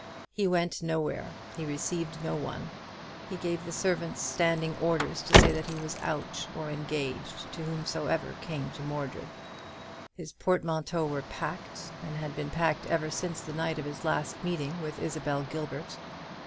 He went nowhere; he received no one. He gave the servants standing orders to say that he was out, or engaged, to whomsoever came to Mordred. His portmanteaus were packed, and had been packed ever since the night of his last meeting with Isabel Gilbert.